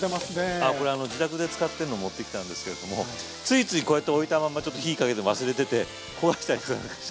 あこれ自宅で使ってるのを持ってきたんですけれどもついついこうやって置いたままちょっと火かけて忘れてて焦がしちゃいました。